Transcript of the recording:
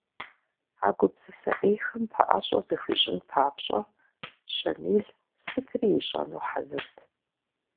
А гупсысэ Ӏейхэм пэӏэщӏэ захуищӏын папщӏэ Щамил сытри ищӏэну хьэзырт.